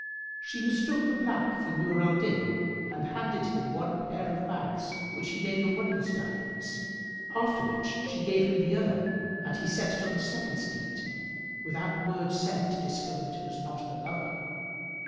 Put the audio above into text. She mistook the black for Nur al Din and handed him one pair of bags, which he laid on one of the stallions: after which she gave him the other and he set it on the second steed, without word said to discover that it was not her lover.